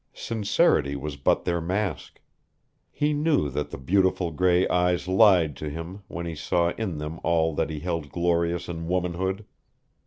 Sincerity was but their mask. He knew that the beautiful gray eyes lied to him when he saw in them all that he held glorious in womanhood.